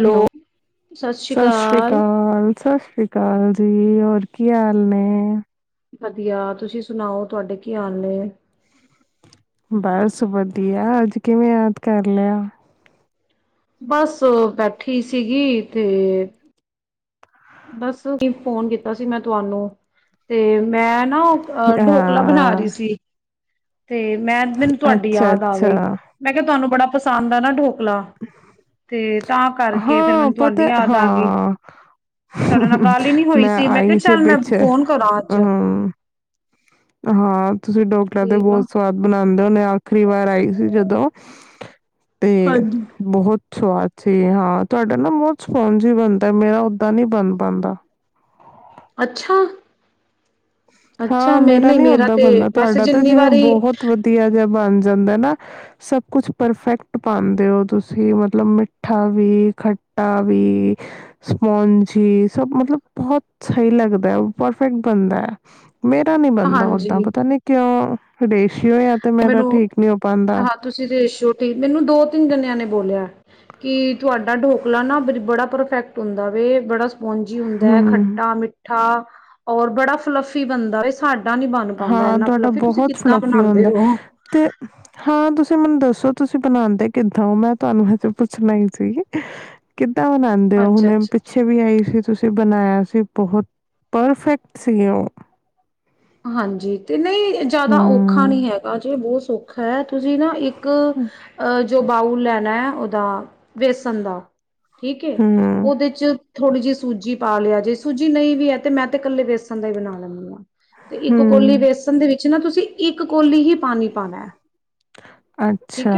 Hello, ਸਤਿ ਸ੍ਰੀ ਅਕਾਲ ਸਤਿ ਸ੍ਰੀ ਅਕਾਲ। [unintelligible] ਹੋਰ ਕੀ ਹਾਲ ਨੇ? ਵਧੀਆ। ਤੁਸੀਂ ਸੁਣਾਓ, ਤੁਹਾਡੇ ਕੀ ਹਾਲ ਨੇ? ਬਸ ਵਧੀਆ, ਅੱਜ ਕਿਵੇਂ ਯਾਦ ਕਰ ਲਿਆ? ਬਸ ਬੈਠੀ ਸੀਗੀ ਤੇ ਬਸ, ਫੋਨ ਕੀਤਾ ਸੀ ਮੈਂ ਤੁਹਾਨੂੰ ਤੇ ਮੈਂ ਨਾ ਉਹ ਆ ਢੋਕਲਾ ਬਣਾ ਹਾਂ, ਰਹੀ ਸੀ। ਤੇ ਮੈਂ ਮੈਨੂੰ ਤੁਹਾਡੀ ਅੱਛਾ ਯਾਦ ਆ ਗਈ, ਅੱਛਾ, ਮੈਂ ਕਿਹਾ ਤੁਹਾਨੂੰ ਬੜਾ ਪਸ ਸਦਾ ਨਾ ਡੋ। [unintelligible] ਫ, ਤੇ ਤਾਂ ਕਰਕੇ ਫਿਰ ਹਾਂ ਮੈਨੂੰ ਤੁਹਾਡੀ ਪਤਾ ਯਾਦ ਆ ਗਈ। ਹਾਂ ਤੁਹਾਡੇ ਨਾਲ ਗੱਲ ਹੀ ਨੀ ਹੋਈ ਮੈਂ ਕਿਹਾ ਆਈ ਸੀ ਚੱਲ ਮੈਂ ਪਿੱਛੇ, ਫੋਨ ਕਰਾਂ ਅੱਜ ਹੂੰ। ਹਾਂ ਤੁਸੀਂ ਢੋਕਲਾ ਤੇ ਬਹੁਤ ਸਵਾਦ ਬਣਾ ਜਾਂਦੇ ਨਾਲ। [unintelligible] ਖਰੀ ਵਾਰ ਆਈ ਸੀ ਜਦੋਂ ਤੇ ਹਾਂਜੀ। ਬਹੋਤ ਸਵਾਦ ਸੀ। ਹਾਂ, ਤੁਹਾਡਾ ਨਾ ਬੋਤ ਸਪੋਂਜੀ ਬਣਦੈ, ਮੇਰਾ ਤਾਂ ਨੀ ਬਣ ਪਾਂਦਾ। ਅੱਛਾ, ਅੱਛਾ ਹਾਂ, ਮੈਂ ਮੇਰਾ ਨਹੀਂ ਨੀ ਔਦਾਂ ਤੇ ਬਣਦਾ। ਵੈਸੇ ਤੁਹਾਡਾ ਤਾਂ ਜਿੰਨੀ ਜਿਵੇਂ ਵਾਰੀ ਬਹੁਤ ਵਧੀਆ ਜਿਹਾ ਬਣ ਜਾਂਦੈ ਨਾ ਸਭ ਕੁਛ ਪਰਫੈਕਟ ਪਾਂਦੇ ਔ ਤੁਸੀਂ, ਮਤਲਬ ਮਿੱਠਾ ਵੀ, ਖੱਟਾ ਵੀ, ਸਪੋਂਜੀ ਸਭ ਮਤਲਬ ਬਹੁਤ ਸਹੀ ਲੱਗਦਾ ਐ, ਉਹ ਪਰਫੈਕਟ ਬਣਦਾ ਐ। ਮੇਰਾ ਨੀ ਬਣਦਾ ਓਦਾਂ ਹਾਂਜੀ, ਪਤਾ ਨੀ ਕਿਉਂ। ਹੁਡੇ ਮੈਨੂੰ ਹਾਂ ਤੁਸੀਂ ਰੇਸ਼ੋ ਤੀ ਮੈਨੂੰ ਦੋ-ਤਿੰਨ ਜਣਿਆਂ ਨੇ ਬੋਲਿਐ। ਕੀ ਤੁਹਾਡਾ ਢੋਕਲਾ ਨਾ ਬਜ ਬੜਾ ਪਰਫੈਕਟ ਹੁੰਦਾ ਵੇ, ਬੜਾ ਸ ਮੁੰਜੀ ਹੁੰਦੈ ਹਮ ਖੱਟਾ, ਮਿੱਠਾ ਔਰ ਬੜਾ ਫਲਫੀ ਬਣਦਾ ਵੇ। ਸਾਡ ਰਾ ਨੀ ਬਣ ਪਾਂਦਾ ਇੰਨਾ ਫਲੱਫੀ। ਤੁਸੀਂ ਕਿੱਦਾਂ ਬਣਾਂ ਤੇ ਹਾਂ ਤੁਸ ਤੁਸੀਂ ਮੈਨੂੰ ਦੱਸੋ ਤੁਸੀਂ ਬਣਾਉਂਦੇ ਕਿੱਦਾਂ ਹੋ? ਮੈਂ ਤੁਹਾਨੂੰ ਹਜੇ ਪੁੱਛਣਾ ਹੀ ਸੀ ਕਿਦ ਤਾਂ ਨਾਂਦੇ ਹੋ ਅੱਛਾ ਹੁਣੇ ਅੱਛਾ ਪਿੱਛੇ ਵੀ ਆਈ ਫਿਰ ਤੁਸੀਂ ਬਣਾਇਆ ਸੀ ਬਹੁਤ ਪਰਫੈਕਟ ਸੀ ਉਹ। ਹਾਂਜੀ, ਤੇ ਨਹੀਂ ਜਿਆਦਾ ਔਖਾ ਹੂੰ ਨਹੀਂ ਹੈਗਾ ਜੇ ਬਹੁ ਭੁੱਖ ਹੈਟ ਤੁਸੀਂ ਨਾ ਇੱਕ ਅ ਜੇ ਬਾਊਲ ਲੈਣੈ, ਉਹਦਾ ਵੇਸਣ ਦਾ। ਠੀਕ ਏ, ਹੂੰ ਉਹਦੇ ਚ ਥੋੜ੍ਹੀ ਜਿਹੀ ਸੂਜੀ ਪਾ ਲਿਆ ਜੇ। ਸੂਜੀ ਨਈ ਵੀ ਐ ਤੇ ਮੈਂ ਤੇ ਕੱਲੇ ਵੇਸਣ ਦਾ ਈ ਬਣਾ ਲੈਂਣੀ ਆਂ। ਤੇ ਇੱਕ ਕੋਲੀ ਹੂੰ ਵੇਸਨ ਦੇ ਵਿ ਚ ਨਾ ਤੁਸੀਂ ਇੱਕ ਕੋਲੀ ਹੀ ਪਾਣੀ ਪਾਣਾ ਐ। ਅੱਛਾ।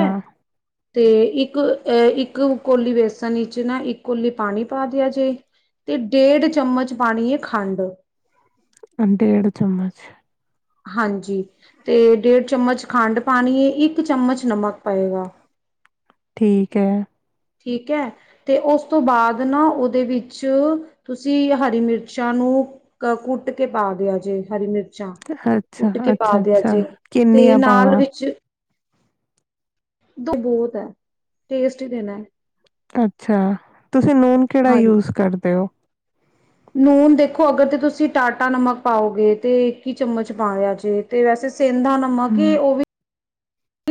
ਤੇ ਇੱਕ ਅ ਇੱਕ ਕੋਲੀ ਵੇਸਣ ਚ ਨਾ ਇੱਕ ਕੋਲੀ ਪਾਣੀ ਪਾ ਦਿਆ ਜੇ ਤੇ ਡੇਢ ਚਮਚ ਪਾਣੀ ਏ ਖਾਂਡ। ਡੇਢ ਚਮਚ। ਹਾਂਜੀ, ਤੇ ਡੇਢ ਚਮਚ ਖੰਡ ਪਾਣੀ ਏ, ਇੱਕ ਚਮਚ ਨਮਕ ਪਏਗਾ। ਠੀਕ ਐ। ਠੀਕ ਐ, ਤੇ ਉਸ ਤੋਂ ਬਾਅਦ ਨਾ ਉਹਦੇ ਵਿੱਚ ਤੁਸੀ ਹਰੀ ਮਿਰਚਾਂ ਨੂੰ ਕ ਕੁੱਟ ਕੇ ਪਾ ਦਿਆ ਜੇ ਹਰੀ ਮਿਰਚਾਂ। ਅੱਛਾ, ਕੁੱਟ ਕੇ ਹ, ਪਾ ਦਿਆ ਅੱਛਾ-ਅੱਛਾ ਜੇ ਤੇ ਕਿੰਨੀਆਂ ਨਾਲ ਪਾਵਾਂ? ਵਿੱਚ ਦੋ ਭੋਤ ਹੈ, ਟੇਸਟ ਹੀ ਦੇਣਾ ਐ। ਅੱਛਾ। ਤੁਸੀ ਨੂਨ ਕੇੜਾ ਹਾਂਜੀ ਯੂਜ਼ ਕਰਦੇ ਔ? ਨੂਨ ਦੇਖੋ ਅਗਰ ਤੇ ਤੁਸੀਂ ਟਾਟਾ ਨਮਕ ਪਾਓਗੇ ਤੇ ਇੱਕ ਹੀ ਚਮਚ ਪਾਇਆ ਜੇ ਤੇ ਵੈਸੇ ਸੈਂਧਾਂ ਨਮਕ ਹੀ ਹੂੰ ਉਹ ਵੀ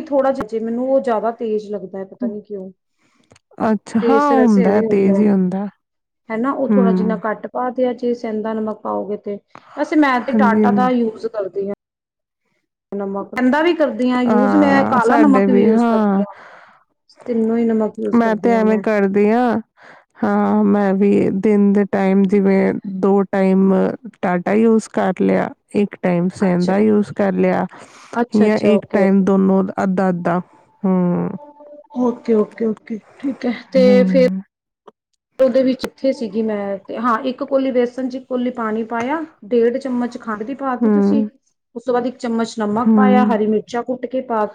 ਥੋੜਾ ਜਿਹਾ ਜੇ ਮੈਨੂੰ ਉਹ ਜ਼ਿਆਦਾ ਤੇਜ਼ ਲੱਗਦਾ ਪਤਾ ਹੂੰ, ਨੀ ਕਿਉਂ? ਅੱਛਾ ਤੇ ਹਾਂ ਇਸ ਵੈਸੇ ਹੁੰਦਾ ਹੈ, ਇਹਵੇਂ ਤੇਜ਼ ਹੁੰਦਾ ਹੀ ਹੇਨਾ ਉਹ ਥੋੜਾ ਹੂੰ ਜਿੰਨਾ ਘੱਟ ਪਾ ਤੇ ਏਦੇ ਚ ਸਹਿੰਦਾ ਨਮਕ ਪਾਓਗੇ। ਤੇ, ਅਸੀਂ ਮੈਂ ਤੇ ਹਾਂਜੀ ਟਾਟਾ ਦਾ ਹਾਂਜੀ ਯੂਜ ਕਰਦੀ ਹਾਂ। [unintelligible] ਬੰਦਾ ਵੀ ਕਰਦੀ ਯੂਜ ਮੈਂ ਹਾਂ, ਕਾਲਾ ਸਾਡੇ ਨਮਕ ਵੀ, ਯੂਜ ਕਰਦੀ ਹਾਂ, ਤਿੰਨੋ ਹੀ ਨਮਕ ਯੂਜ ਮੈਂ ਤੇ ਕਰਦੀ ਹਾਂ ਐਵੇਂ ਕਰਦੀ ਹਾਂ, ਹਾਂ ਮੈਂ ਵੀ ਦਿਨ ਦੇ ਟਾਈਮ ਜਿਵੇਂ ਦੋ ਟਾਈਮ ਡਾਟਾ ਯੂਜ ਕਰ ਲਿਆ। ਇੱਕ ਟਾਈਮ ਅੱਛਾ ਸਹਿੰਦਾ ਯੂਜ ਕਰ ਲਿਆ। ਅੱਛਾ ਜਾਂ ਅੱਛਾ ਇੱਕ ਓਕੇ ਟਾਈਮ ਓਕੇ ਦੋਨੋ ਅੱਧਾ ਅੱਧ ਤਾਂ ਹਮਮ। Okay okay okay. ਠੀਕ ਹੈ ਤੇ ਫਿਰ ਹੂੰ ਉਹਦੇ ਵਿੱਚੱ [unintelligible] ਜੀ ਜੀ, ਮੈਂ ਤੇ, ਹਾਂ ਇੱਕ ਕੋਲੀ ਬੇਸਣ ਚ ਇਕ ਕੋਲੀ ਪਾਣੀ ਪਾਇਆ, ਡੇਢ ਚਮਚ ਖੰਡ ਦੀ ਪਾਤੀ ਤੁਸੀਂ ਹੂੰ ਉਸ ਤੋ ਬਾਦ ਇਕ ਚਮਚ ਨਮਕ ਪਾਇਆ, ਹੂੰ ਹਰੀ ਮਿਰਚਾਂ ਕੁੱਟ ਕੇ ਪਾ।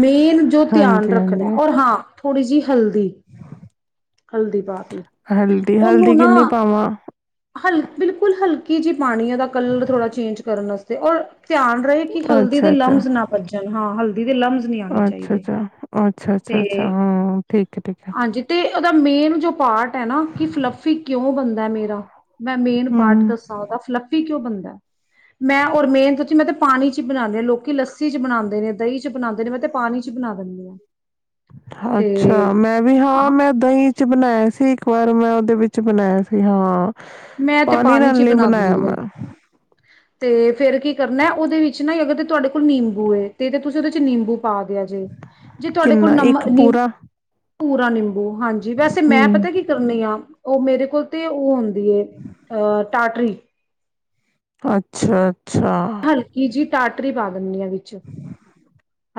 ਮੇ ਜੋ ਧਿਆਨ ਹਾਂਜੀ ਰੱਖਣਾ, ਹਾਂਜੀ ਔਰ ਹਾਂ। ਥੋੜੀ ਜੀ ਹਲਦੀ। ਹਲਦੀ ਪਾਤੀ, ਹਲਦੀ ਹਲਦੀ ਉਹਨੂੰ ਨਾ ਕਿੰਨੀ ਪਾਵਾਂ ਹਲ ਬਿਲਕੁਲ ਹਲਕੀ ਜਿਹੀ ਪਾਣੀ ਉਹਦਾ ਕਲਰ ਥੋੜਾ ਚੇਂਜ ਕਰਨ ਵਾਸਤੇ ਔਰ ਧਿਆਨ ਰਹੇ ਕਿ ਹਲਦੀ ਦੇ ਅੱਛਾ ਅੱਛਾ ਲਮਜ਼ ਨਾ ਭੱਜਣ ਹਾਂ ਹਲਦੀ ਦੇ ਲਮਜ਼ ਨਹੀਂ ਆਉਣੇ ਅੱਛਾ ਅੱਛਾ ਚਾਹੀਦੇ ਅੱਛਾ ਅੱਛਾ ਅੱਛਾ ਤੇ ਹਾਂ ਠੀਕ ਹੈ ਠੀਕ ਹੈ ਹਾਂਜੀ ਤੇ ਉਹਦਾ ਮੇਨ ਜੋ ਪਾਰਟ ਹੈ ਨਾ, ਕਿ ਫਲੱਫੀ ਕਿਉਂ ਬਣਦਾ ਮੇਰਾ ਮੈਂ ਮੇਨ ਪਾਰਟ ਹੂੰ ਦੱਸਾਂ ਉਦਾ ਫਲੱਪੀ ਕਿਉਂ ਬਨ ਮੈਂ ਔਰ ਮੇਨ ਸਚੀ ਮੈਂ ਤੇ ਪਾਣੀ ਚ ਹੀ ਬਣਾਂਦੇ ਹਾਂ ਲੋਕੀ ਲੱਸੀ ਚ ਬਣਾਉਂਦੇ ਨੇ ਦਹੀਂ ਚ ਬਣਾਂਦੇ ਨੇ ਮੈਂ ਤੇ ਪਾਣੀ ਚ ਬਣਾ ਦਿੰਦੀ ਹਾਂ। ਤੇ ਅੱਛਾ, ਮੈਂ ਵੀ ਹਾਂ ਮੈਂ ਦਹੀਂ ਚ ਬਣਾਇਆ ਸੀ ਇੱਕ ਵਾਰ ਮੈਂ ਉਹਦੇ ਵਿੱਚ ਬਣਾਇਆ ਸੀ, ਹਾਂ। ਮੈਂ ਤੇ ਪਾਣੀ ਨਾਲ ਚ ਹੀ ਨਈ ਬਣਾ ਬਣਾਇਆ ਦਿੰਦੀ ਹਾਂ ਮੈਂ ਤੇ ਫੇਰ ਕੀ ਕਰਨਾ ਉਹਦੇ ਵਿੱਚ ਨਾ ਅਗ ਤੁਹਾਡੇ ਕੋਲ ਨਿੰਬੂ ਏ ਤੇ, ਤੇ ਤੁਸੀਂ ਉਹਦੇ ਚ ਨਿੰਬੂ ਪਾ ਦਿਆ ਜੇ, ਜੇ ਤੁਹਾਡੇ ਕੋਲ ਕਿੰਨਾ ਨਮ ਇੱਕ ਨਿਬ ਪੂਰਾ ਪੂਰਾ ਨਿੰਬੂ ਓ, ਹਾਂਜੀ ਵੈਸੇ ਮੈਂ ਹੂੰ ਪਤਾ ਕੀ ਕਰਨੀ ਆ। ਉਹ ਮੇਰੇ ਕੋਲ ਤੇ ਉਹ ਹੁੰਦੀ ਏ। ਅ ਟਾਟਰੀ। ਅੱਛਾ। ਛਾ। ਹਲਕੀ ਜੀ ਟਾਟਰੀ ਪਾਦ ਪਨੀਆ ਵਿੱਚ,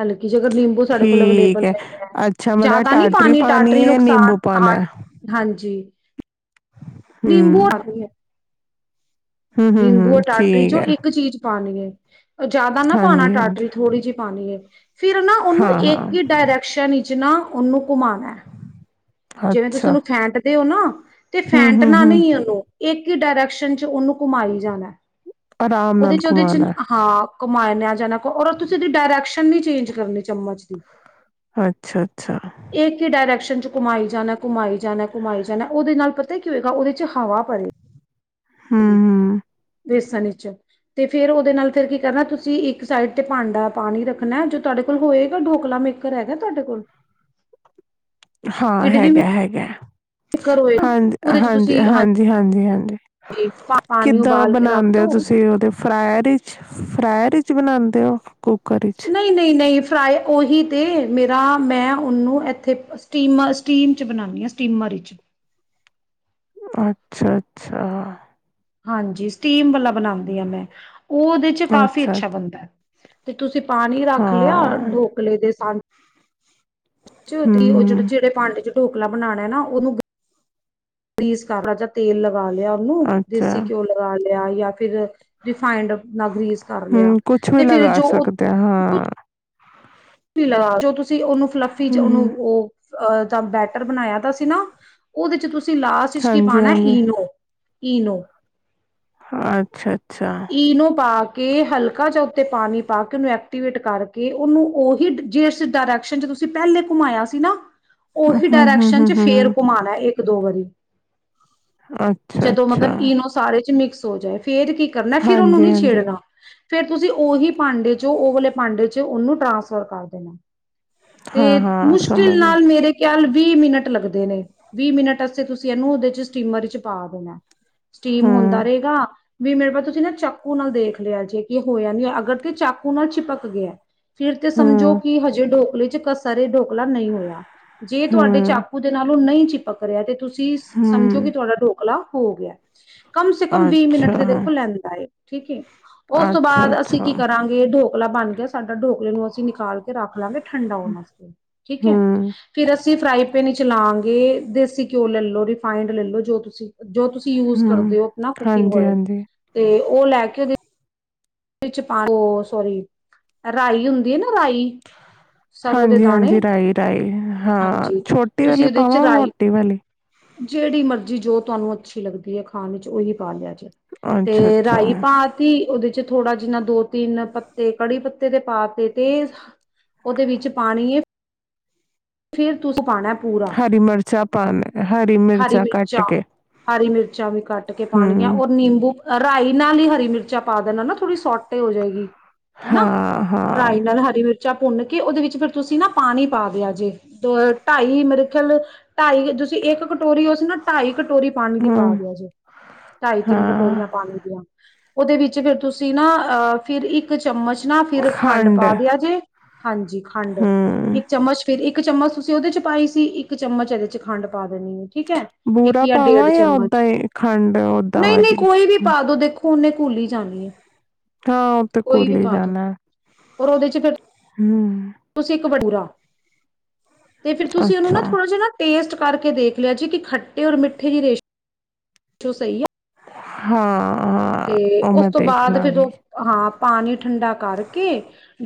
ਹਲਕਿ ਜੀ ਜੇਕਰ ਨਿੰਬੂ ਸਾਡੇ ਕੋਲ ਅਵੇਲੇਬਲ ਨਹੀਂ ਹੈ। ਅੱਛਾ ਮਤਲਬ ਜਿਆਦਾ ਨੀ ਟਾਟਰੀ ਪਾਣੀ ਟਾਟਰੀ ਹੈ ਜਾਂ ਨਿੰਬੂ ਨੁਕਸਾਨ ਪਾਉਣਾ ਹਾਟ ਹੈ ਹਾਂਜੀ। ਨੀਬੂ ਹੂੰ [unintelligible] ਹੂੰ ਹੂੰ ਨਿੰਬੂ, ਹੂੰ ਅਟਾਟਰੀ ਠੀਕ ਚੋਂ ਹੈ ਇੱਕ ਚੀਜ਼ ਪਾਣੀ ਏ। [inaudible] ਜ਼ਿਆਦਾ ਨਾ ਪਾਣਾ ਹਾਂਜੀ ਹਾਂਜੀ ਟਾਟਰੀ ਥੋੜ੍ਹੀ ਜੀ ਪਾਣੀ ਏ। ਫਿਰ ਨਾ ਉਹਨੂੰ ਹਾਂ ਏਕ ਹਾਂ ਹੀ ਡਾਇਰੈਕਸ਼ਨ ਈ ਚ ਨਾ ਉਹਨੂੰ ਘੁਮਾਣਾ। ਜਿਵੇਂ ਤੁਸੀਂ ਅੱਛਾ ਉਹਨੂੰ ਫੈਂਟਦੇ ਓ ਨਾ, ਤੇ ਹੂੰ ਹੂੰ ਫੈਂਟਨਾ ਹੂੰ ਨਹੀਂ ਏ ਉਹਨੂੰ, ਏਕ ਡਾਇਰੈਕਸ਼ਨ ਚ ਉਹਨੂੰ ਘੁਮਾਈ ਜਾਨਾ ਆਰਾਮ ਨਾਲ ਘੁਮਾਨਾ ਅ। ਘੁਮਾਇ ਜਾਣਾ ਔਰ ਤੁਸੀਂ ਇਸ ਦੀ ਡਾਇਰੈਕਸ਼ਨ ਨੀ ਚੇਂਜ ਕਰਨੀ ਚਮਚ ਦੀ। ਅੱਛਾ, ਅੱਛਾ। ਇੱਕ ਹੀ ਡਾਇਰੈਕਸ਼ਨ ਚ ਘੁਮਾਈ ਜਾਨਾ, ਘੁਮਾਈ ਜਾਨਾ, ਘੁਮਾਈ ਜਾਨਾ, ਉਹਦੇ ਨਾਲ ਪਤਾ ਕੀ ਹੋਏਗਾ ਉਹਦੇ ਚ ਹਵਾ ਭਰੇ ਹੂੰ ਹੂੰ ਵੇਸਨ ਈਚ, ਤੇ ਫੇਰ ਉਹਦੇ ਨਾਲ ਫੇਰ ਕੀ ਕਰਨਾ ਤੁਸੀਂ ਇੱਕ ਸਾਈਡ ਤੇ ਭਾਂਡਾ ਪਾਣੀ ਰੱਖਨਾ ਏ ਜੋ ਤੁਹਾਡੇ ਕੋਲ ਹੋਏਗਾ ਢੋਕਲਾ ਮੇਕਰ ਹੈਗਾ ਤੁਹਾਡੇ ਕੋਲ? ਹਾਂ, ਇਡਲੀ ਹੈਗਾ, ਹੈਗਾ। ਮੇਕਰ ਹੋਏਗਾ ਹਾਂਜ, ਉਹਦੇ ਚ ਹਾਂਜੀ, ਤੁਸੀਂ ਹਾਂਜੀ, ਹਾਂਜੀ, ਹਾਂ। ਹਾਂਜੀ ਪਾਣੀ ਕਿੱਦਾਂ ਉਬਾਲ ਕੇ ਰੱਖ ਬਣਾਦੇ ਔ ਦੋ ਤੁਸੀਂ ਉਹਦੇ ਫਰਾਅਰ ਈ। ਫਰਾਅਰ ਚ ਬਨਾਂਦੇ ਔ? ਕੁੂਕਰ ਈਚ। ਨਹੀਂ ਨਹੀਂ ਨਹੀਂ ਫਰਾਈ ਔਹੀ ਤੇ, ਮੇਰਾ ਮੈਂ ਉਹਨੂੰ ਇੱਥੇ ਸਟੀਮਾ ਸਟੀਮ ਚ ਬਣਾਦੀ ਆਂ ਸਟੀਮਰ ਈਚ। ਅੱਛਾ, ਅੱਛਾ। ਹਾਂਜੀ, ਸਟੀਮ ਵਾਲ ਬਨਾਂਦੀ ਹਾਂ ਮੈਂ, ਉਹ ਉਹਦੇ ਚ ਕਾਫ਼ੀ ਅੱਛਾ ਬਨਦਾ ਏ। ਤੇ ਤੁਸੀਂ ਪਾਣੀ ਰੱਖ ਲਿਆ ਹਾਂ, ਢੋਕਲੇ ਦੇ। [unintelligible] [unintelligible] ਉਹ ਜਹੜੇ ਹੂੰ, ਜਿਹੜੇ ਭਾਂਡੇ ਚ ਢੋਕਲਾ ਬਨਾਨਾ ਏ ਨਾ ਉਹਨੂੰ ਰੀਸ [unintelligible] ਤੇਲ ਲ ਲਾ ਲਿਆ ਉਹਨੂੰ, ਅੱਛਾ, ਦੇਸੀ ਘਿਓ ਲਗਾ ਲਿਆ। ਯਾ, ਯਾ ਫਿਰ ਰਿਫਾਈੰਡ ਨਾਲ ਗ੍ਰੀਸ ਕਰ ਲਿਆ ਹੂੰ, ਕੁਛ ਵੀ ਤੇ ਫਿਰ ਲਗਾ ਜੋ ਸਕਦੇ ਆ, ਕੁ ਹਾਂ, [unintelligible] ਜੋ ਤੁਸੀਂ ਤੁਸੀਂ ਉਹਨੂੰ ਫਲੱਫੀ 'ਚ ਹੂੰ, ਉਹਨੂੰ ਉਹ ਅਹ ਤਾਂ ਬੈਟਰ ਬਣਾਇਆ ਤਾਂ ਸੀ ਨਾ ਉਹਦੇ ਚ ਤੁਸੀਂ ਤੁਸੀਂ ਲਾਸਟ ਵਿੱਚ ਕੀ ਹਾਂਜੀ, ਪਾਉਣਾ ਹਾਂਜੀ, ਈਨੋ। ਈਨੋ। ਅੱਛਾ। ਅੱਛਾ, ਈਨੋ ਪਾ ਕੇ ਹਲਕਾ ਜਾ ਉੱਤੇ ਪਾਣੀ ਪਾ ਕੇ ਉਹਨੂੰ ਐਕਟੀਵੇਟ ਕਰਕੇ, ਉਹਨੂੰ ਓਹੀ ਜਿਸ ਡਾਇਰੈਕਸ਼ਨ ਚ ਤੁਸੀਂ ਪਹਿਲੇ ਘੁਮਾਇਆ ਸੀ ਨਾ ਹੂੰ, ਉਹੀ ਡਾਇਰੈਕਸ਼ਨ ਚ ਫੇਰ ਹਾਂਜੀ-ਹਾਂਜੀ, ਘੁਮਾਉਣਾ ਇੱਕ ਇੱਕ ਦੋ ਵਰੀ ਜਦੋਂ ਅੱਛਾ-ਅੱਛਾ, ਮਤਲਬ ਈਨੋ ਸਾਰੇ ਚ ਮਿਕਸ ਹੋ ਜਾਏ ਫੇਰ ਕਰਨਾ ਹੂੰ, ਹੂੰ, ਹੂੰ, ਹੂੰ, ਅੱਛਾ-ਅੱਛਾ, ਫਿਰ ਉਹਨੂੰ ਨਹੀਂ ਹਾਂਜੀ-ਹਾਂਜੀ, ਛੇੜਨਾ ਫੇਰ ਤੁਸੀਂ ਉਹੀ ਭਾਂਡੇ ਚੋਂ ਉਹ ਵਾਲੇ ਭਾਂਡੇ 'ਚ ਉਹਨੂੰ ਟ੍ਰਾਂਸਫਰ ਕਰ ਦੇਣਾ। ਤੇ ਹਾਂ-ਹਾਂ, ਮੁਸ਼ਕਿਲ ਸਮਝ ਗਈ, ਨਾਲ ਮੇਰੇ ਖਿਆਲ ਵੀਹ ਮਿੰਟ ਲੱਗਦੇ ਨੇ, ਵੀਹ ਮਿੰਟ ਵਾਸਤੇ ਤੁਸੀਂ ਇਹਨੂੰ ਉਹਦੇ ਚ ਸਟੀਮਰ ਚ ਪਾ ਦੇਣਾ ਐ। ਸਟੀਮ ਹੁੰਦਾ ਹੂੰ, ਰਹੇਗਾ। ਵੀ ਮੇਰੇ ਪਾਦੇ ਤੁਸੀਂ ਨਾ ਚਾਕੂ ਨਾਲ ਦੇਖ ਲਿਆ ਜੇ ਕਿ ਹੋਇਆ ਨੀ ਅਗਰ ਤੇ ਚੱਕ ਉਹ ਨਾ ਚਿਪਕ ਗਿਆ ਐ, ਫਿਰ ਤੇ ਸਮਝੋ ਹੂੰ, ਕਿ ਹਜੇ ਡੋ ਕੋਲੀ ਚ ਕੱਸਾਰੇ ਢੋਕਲਾ ਨਹੀਂ ਹੋਇਆ। ਜੇ ਤੁਹਾਡੇ ਹੂੰ, ਚਾਕੂ ਦੇ ਨਾਲੋਂ ਨਹੀਂ ਚਿਪਕ ਰਿਆ ਤੇ ਤੁਸੀਂ ਸਮਝੋ ਹੂੰ, ਕਿ ਤੁਹਾਡਾ ਢੋਕਲਾ ਹੋ ਗਿਆ [inaudible] ਕਮ ਸੇ ਕਮ ਵੀਹ ਅੱਛਾ, ਮਿੰਟ ਤੇ ਦੇਖੋ ਲੈਂਦ ਠੀਕ ਏ ਉਸ ਤੋਂ ਬਾਅਦ ਅਸੀਂ ਅੱਛਾ-ਅੱਛਾ, ਕੀ ਕਰਾਂਗੇ ਡੋ ਕਲਾ ਬਣ ਗਿਆ ਸਾਡਾ ਢੋਕਲੇ ਨੂੰ ਅਸੀਂ ਨਿਕਾਲ ਕੇ ਰੱਖ ਲਾਗੇ ਠੰਡਾ ਹੋਣ ਵਾਸਤੇ ਠੀਕ ਹੈ। ਹੂੰ, ਫੇਰ ਅਸੀਂ ਫਰਾਈ ਪੈਨ ਵਿੱਚ ਚਲਾਾਂਗੇ ਦੇਸੀ ਘਿਓ ਲੈ ਲੋ ਰਿਫਾਈੰਡ ਲੈ ਲੋ ਜੋ ਤੁਸੀਂ ਜੋ ਤੁਸੀਂ ਯੂਜ ਹੂੰ, ਕਰਦੇ ਹੋ ਆਪਣਾ ਕੁਕਿੰਗ ਓਇਲ ਹਾਂਜੀ-ਹਾਂਜੀ, ਤੇ ਉਹ ਲੈ ਕੇ ਉਹਦੀ ਉਹਦੇ ਚ ਪਾਲੋ, ਸੋਰੀ ਰਾਈ ਹੁੰਦੀ ਹੈ ਨਾ ਰਾਈ ਸਰੋਂ ਦੇ ਹਾਂਜੀ ਦਾਣੇ ਹਾਂਜੀ ਰਾਾਈ ਰਾਾਈ ਹਾਂ ਹਾਂਜੀ ਛੋਟੀ ਤੁਸੀਂ ਵਾਲੀ ਉਹਦੇ ਚ ਪਾਵਾਂ ਰਾਈ ਮੋਟੀ ਵਾਲੀ। ਜਿਹੜੀ ਮਰਜ਼ੀ ਜੋ ਤੁਹਾਨੂੰ ਅੱਛੀ ਲੱਗਦੀ ਹੈ ਖਾਣ ਚ ਉਹੀ ਪਾ ਲਿਆ। ਤੇ ਰਾਈ ਅੱਛਾ-ਅੱਛਾ। ਪਾਤੀ, ਉਹਦੇ ਥੋੜ੍ਹਾ ਜਿਨਾ ਦੋ ਤਿੰਨ ਪੱਤੇ ਕੜੀ ਪੱਤੇ ਦੇ ਪਾ ਤੇ ਤੇ ਉਹਦੇ ਵਿੱਚ ਪਾਣੀ ਫਿਰ ਤੁਸੀਂ ਪਾਣਾ ਪੂਰਾ ਹਰੀ ਮਿਰਚਾਂ ਪਾਣਾ ਹਰੀ ਕੱਟ ਮਿਰਚਾਂ ਕੇ ਹਰੀ ਮਿਰਚਾਂ ਵੀ ਕੱਟ ਕੇ ਪਾਉਣਗੀਆਂ ਹੂੰ ਔਰ ਨਿੰਬੂ ਰਾਈ ਨਾਲ ਹੀ ਹਰੀ ਮਿਰਚ ਮਿਰਚਾਂ ਪਾ ਦੇਣਾ ਹਨ ਨਾ ਥੋੜੀ ਸੋਟ ਤੇ ਹੋ ਜਾਏਗੀ ਹੈਨਾ ਹਾਂ, ਹਾਂ ਰਾਾਈ ਨਾਲ ਹਰੀ ਮਿਰ ਚਾਹ ਭੁੰਨ ਕੇ ਉਹਦੇ ਵਿੱਚ ਫਿਰ ਤੁਸੀਂ ਨਾ ਪਾਣੀ ਪਾ ਦਿਆ ਜੇ। ਦ ਢਾਈ ਮ੍ਰਿਖਲ ਢਾਈ ਤੁਸੀਂ ਇੱਕ ਕਟੋਰੀ ਹੋ ਸੀ ਨਾ ਢਾਈ ਕਟੋਰੀ ਪਾਣੀ ਦੀ ਪਾ ਹੂੰ ਦੀ ਆ ਜੇ, ਢਾਈ-ਤਿੰਨ ਹਾਂ ਕਟੋਰੀਆਂ ਪਾਣੀ ਦੀਆਂ। ਉਹਦੇ ਵਿੱਚ ਫਿਰ ਤੁਸੀਂ ਨਾ ਅਹ ਫਿਰ ਇੱਕ ਚਮਚ ਨਾ ਫਿਰ ਖੰਡ ਪਾ ਦਿਆ ਜੇ ਹਾਂਜੀ ਖੰਡ, ਹੂੰ ਇੱਕ ਚਮਚ ਫਿਰ ਇੱਕ ਇੱਕ ਚਮਚ ਤੁਸੀਂ ਉਹਦੇ ਚ ਪਾਈ ਸੀ। ਇੱਕ ਚਮਚ ਇਹਦੇ ਚ ਖੰਡ ਪਾ ਦੇਣੀ ਹੈ ਠੀਕ ਹੈ ਇੱਕ ਬੂਰਾ ਪਾਵਾਂ ਡੇਢ ਜਾਂ ਚਮਚ ਓਦਾਂ ਹੀ ਖੰਡ ਓਦਾਂ ਵਾਂ ਦੀ ਔਨੇ ਕੋਲੀ ਹੀ ਜਾਣੀ ਹੈ। ਹਾਂ ਉਹ ਤੇ ਕੋਈ ਵੀ ਘੁਲੀ ਈ ਪਾ ਦੋ ਜਾਣਾ, ਹਮ ਤੂੰ ਬਡੂਰਾ ਤੇ ਫੇਰ ਤੁਸੀਂ ਉਹਨੂੰ ਅੱਛਾ ਨਾ ਥੋੜਾ ਜਿਹਾ ਨਾ ਟੇਸਟ ਕਰਕੇ ਦੇਖ ਲਿਆ ਜੀ ਕਿ ਖੱਟੇ ਔਰ ਮਿੱਠੇ ਜੇ ਜੋ ਸਹੀ ਹੈ। ਹਾਂ ਹਾਂ ਉਹ ਉਸ ਮੈਂ ਤੋਂ ਬਾਅਦ ਫਿਰ ਦੇਖਲਾਂਗੀ। ਉਹ ਹਾਂ ਪਾਣੀ ਠੰਡਾ ਕਰਕੇ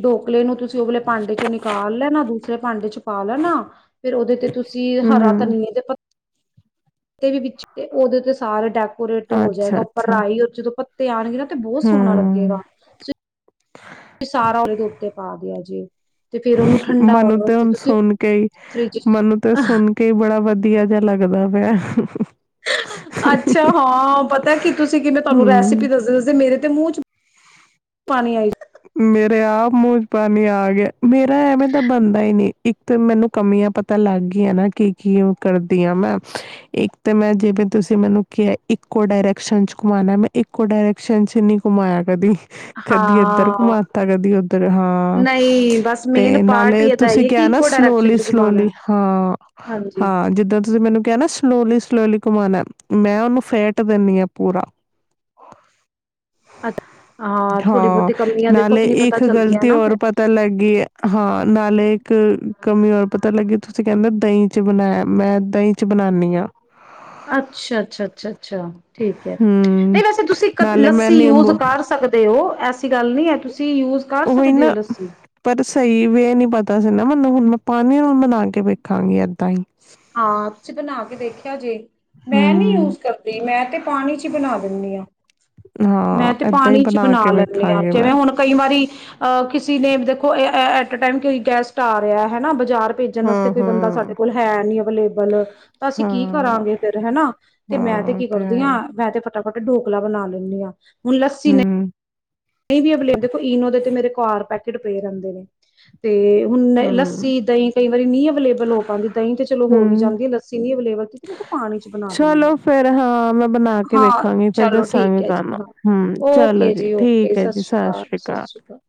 ਡੋਕਲੇ ਨੂੰ ਤੁਸੀਂ ਉਵਲੇ ਭਾਂਡੇ ਚੋਂ ਨਿਕਾਲ ਲੈਣਾ ਦੂਸਰੇ ਪਰ ਭਾਂਡੇ ਚ ਪਾ ਲੈ ਨਾ, ਫੇਰ ਉਹਦੇ ਤੇ ਤੁਸੀਂ ਹਰਾ ਹੂੰ ਧਨੀਏ ਦੇ ਪਤ ਵੀ ਵਿੱਚ, ਤੇ ਉਹਦੇ ਉਤੇ ਸਾਰੇ ਟੈਪ ਕਰੇਕ੍ਟ ਹੋ ਜਾਏਗਾ, ਅੱਛਾ, ਉਪਰ ਅੱਛਾ ਰਾਹੀ ਜਦੋਂ ਪੱਤੇ ਆਣਗੇ ਨਾ ਤੇ ਬਹੁਤ ਸੋਹਣਾ ਹੂੰ ਲੱਗੇਗਾ ਸਾਰਾ ਉਹਦੇ ਦੇ ਉੱਤੇ ਪਾ ਦਿਆ ਜੇ। ਤੇ ਫੇਰ ਉਹਨੂੰ ਠੰਡਾ ਹੋਣ ਮੈਨੂੰ ਤੇ ਵਾਸਤੇ ਹੁਣ ਤੁਸੀਂ ਸੁਣ ਕੇਈ ਫਰਿਜ ਚ ਮੈਨੂੰ ਤੇ ਸੁਣ ਕੇ ਹੀ ਬੜਾ ਵਧੀਆ ਜਾ ਲੱਗਦਾ ਪਿਆ ਐ ਅੱਛਾ। ਹਾਂ, ਪਤਾ ਕੀ ਤੁਸੀਂ ਕਿ ਮੈਂ ਤੁਹਾਨੂੰ ਰੈਸਪੀ ਹੂੰ ਦੱਸਦੇ ਦੱਸਦੇ ਮੇਰੇ ਤੇ ਮੂੰਹ ਚ ਪਾਣੀ ਆਈ ਮੇਰੇ ਆਪ ਮੂੰਹ ਚ ਪਾਣੀ ਆ ਗਿਆ, ਮੇਰਾ ਐਵੇਂ ਤਾਂ ਬਣਦਾ ਹੀ ਨਹੀਂ, ਇੱਕ ਤਾਂ ਮੈਨੂੰ ਕਮੀਆਂ ਪਤਾ ਲੱਗ ਗਈਆਂ ਨਾ ਕੀ ਕੀ ਔ ਕਰਦੀ ਆ, ਮੈਂ ਇੱਕ ਤਾਂ ਮੈਂ ਜਿਵੇਂ ਤੁਸੀਂ ਮੈਨੂੰ ਕਿਹਾ ਇੱਕੋ ਡਾਇਰੈਕਸ਼ਨ ਚ ਘੁਮਾਉਣਾ ਮੈਂ ਇੱਕੋ ਡਾਇਰੈਕਸ਼ਨ ਚ ਨੀ ਘੂਮਾਇਆ ਕਦੀ। ਹਾਂ। ਮਾਤਾ ਕਦੀ ਉੱਧਰ, ਹਾਂ ਨਹੀਂ ਬਸ ਮੇਨ ਤੇ ਪਾਰਟ ਹੀ ਨਾਲੇ ਇਹਦਾ ਤੁਸੀਂ ਹੈ ਕਿ ਕਿਹਾ ਨਾ ਇੱਕੋ ਡਾਇਰੈਕਸ਼ਨ ਸਲੋਲੀ ਚ ਘੁਮਾਉਣਾ ਸਲੋਲੀ, ਹਾਂ ਹਾਂਜੀ ਹਾਂ ਜਿੱਦਾਂ ਤੁਸੀਂ ਮੈਨੂੰ ਕਿਹਾ ਨਾ ਸਲੋਲੀ ਸਲੋਲੀ। ਘੂਮਾਣਾ ਐ, ਮੈਂ ਉਹਨੂੰ ਫੈਟ ਦੇਨੀ ਆ ਪੂਰਾ। ਅੱ ਹਾਂ, ਥੋੜੀ ਬਹੁਤੀ ਕਮੀਆਂ ਦੇ ਲੇ ਇੱਕ ਗ਼ਲਤੀ ਹੋਰ ਪਤਾ ਲੱਗੀ ਏ। ਹਾਂ, ਨਾਲੇ ਇੱਕ ਕਮੀ ਹੋਰ ਪਤਾ ਲੱਗੀ ਤੁਸੀਂ ਕਹਿੰਦੇ ਦਈਂ ਚ ਬਣਾਇਆ ਮੈਂ ਦਈਂ ਅੱਛਾ ਅੱਛਾ ਅੱਛਾ ਅੱਛਾ ਠੀਕ ਹੈ, ਹੂੰ, ਨਹੀਂ ਵੈਸੇ ਤੁਸੀਂ ਕ ਨਾਲੇ ਮੈਂ ਲੱਸੀ ਯੂਜ ਨਿੰਬੂ ਕਰ ਸਕਦੇ ਹੋ। ਐਸੀ ਗੱਲ ਨਹੀਂ ਹੈ ਤੁਸੀਂ ਯੂਜ ਕਰ ਉਹ ਸਕਦੇ ਨਾ ਹੋ ਲੱਸੀ ਪਰ ਸਹੀ ਵੇ ਨੀ ਪਾਤਾ [unintelligible] ਦਿਤਤਾਂ ਸੀ ਨਾ ਮੈਨੂੰ ਹੁਣ ਮੈਂ ਪਾਣੀਆਂ ਨੂੰ ਬਣਾ ਕੇ ਵੇਖਾਂਗੀ ਏਦਾਂ ਹੀ। ਹਾਂ ਚ ਬਣਾ ਕੇ ਦੇਖਿਆ ਜੇ, ਮੈਂ ਨੀ ਹੂੰ, ਯੂਜ ਕਰਦੀ, ਮੈਂ ਤੇ ਪਾਣੀ ਚ ਹੀ ਬਣਾ ਦਿੰਦੀ ਹਾਂ। ਮੈਂ ਤੇ ਹਾਂ ਏਦਾਂ ਈ ਪਾਣੀ ਚ ਬਣਾ ਕੇ ਲੈਂਨੀ ਆਂ, ਵੇਖਾਂਗੀ ਮੈਂ। ਜਿਵੇਂ ਹੁਣ ਕਈ ਵਾਰੀ ਅਹ ਕਿਸੇ ਨੇ ਦੇਖੋ [unintelligible] ਇੱਕ ਟਾਈਮ ਕੋਈ ਗੈਸਟ ਆ ਰਿਹਾ ਹੈਨਾ ਬੱਚੇ। ਜ਼ਾਰ ਭੇਜਣ ਆਸਤੇ ਹੂੰ, ਕੋਈ ਬੰਦਾ ਸਾਡੇ ਹੂੰ। ਕੋਲ ਹੈ ਨੀ ਲੇਬਲ ਤਾਂ ਹਾਂ, ਅਸੀਂ ਕੀ ਹਾਂ, ਕਰਾਂਗੇ ਫੇਰ, ਹੈਨਾ ਤੇ ਮੈਂ ਤੇ ਉਹ ਕੀ ਕਰਦੀ ਹੈ ਈ। ਹਾਂ ਮੈਂ ਤੇ ਫਟਾਫਟ ਢੋਕਲਾ ਬਣਾ ਲੈਂਨੀ ਆਂ। ਹੁਣ ਲੱਸੀ ਨਹੀਂ ਹੂੰ, [inaudible] ਦੇਖੋ ਈਨੋ ਦੇ ਤੇ ਮੇਰੇ ਘਰ ਪੈਕਟ ਪਏ ਰਹਿੰਦੇ ਨੇ ਤੇ ਹੁਣ ਹੂੰ। ਲੱਸੀ, ਦਹੀਂ ਕਈ ਵਾਰੀ ਨੀ ਅਵੇਲੇਬਲ ਹੋ ਪਾਂਦੀ। ਦਹੀਂ ਤੇ ਚਲੋ ਹੋ ਹੀ ਹੂੰ। ਜਾਂਦੀ। ਲੱਸੀ ਨੀ ਅਵੇਲੇਬਲ ਤੇ ਮੈਂ ਤੇ ਪਾਣੀ ਚ ਬਣਾ ਦਿੰਦੀ ਚਲੋ ਹਾਂ। ਫੇਰ ਹਾਂ ਮੈਂ ਬਣਾ ਕੇ ਹਾਂ ਵੇਖਾਂਗੀ ਫੇਰ ਚਲੋ ਠੀਕ ਦੱਸਾਂਗੀ ਹੈ। ਜੀ ਤੁਹਾਨੂੰ ਹਾਂ ਹੂੰ ਚਲੋ ਓਕੇ ਜੀ ਓ ਸਤਿ ਠੀਕ ਹੈ ਜੀ ਸ਼੍ਰੀ ਅਕਾਲ, ਸਤਿ ਸ਼੍ਰੀ ਅਕਾਲ।